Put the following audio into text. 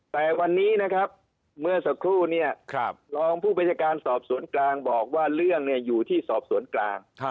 แต่วันนี้เมื่อสักครู่รองผู้พิจารณาสอบส่วนกลางบอกว่าเรื่องอยู่ที่ส่วนกลาง